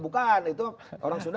bukan itu orang sunda